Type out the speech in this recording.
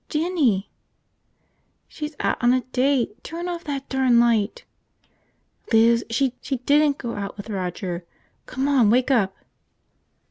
"Jinny." "She's out on a date. Turn off that darn light!" "Liz, she didn't go out with Roger! Come on, wake up!"